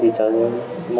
thì cháu sẽ chấp nhận là